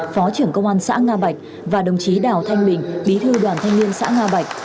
phó trưởng công an xã nga bạch và đồng chí đào thanh bình bí thư đoàn thanh niên xã nga bạch